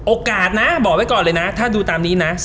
โอกาสนะบอกไว้ก่อนเลยนะถ้าดูตามนี้นะ